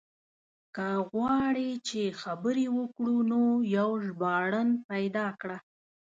که غواړې چې خبرې وکړو نو يو ژباړن پيدا کړه.